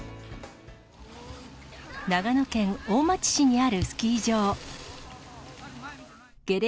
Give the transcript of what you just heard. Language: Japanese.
長野県大町市にあるスキー場。